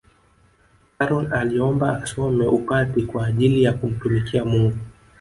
karol aliomba asome upadri kwa ajili ya kumtumikia mungu